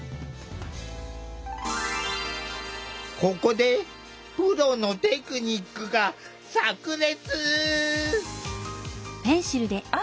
ここでプロのテクニックがさく裂！